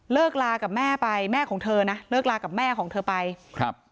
ลากับแม่ไปแม่ของเธอนะเลิกลากับแม่ของเธอไปครับ